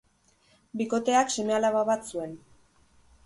Bikoteak seme-alaba bat zuen.